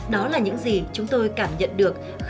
đó là những gì chúng tôi cảm nhận được